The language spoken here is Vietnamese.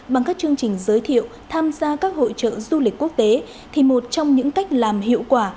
bằng các chương trình giới thiệu tham gia các hội trợ du lịch quốc tế thì một trong những cách làm hiệu quả